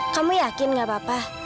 kamu yakin gak apa apa